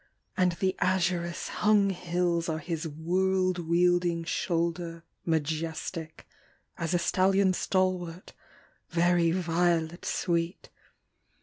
And the azurous hung hills are his world wielding shoulder Majestic as a stallion stalwart, very violet sweet!